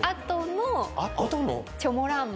チョモランマ。